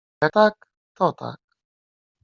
Jak tak, to tak.